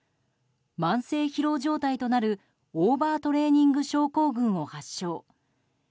慢性疲労状態となるオーバートレーニング症候群を発症。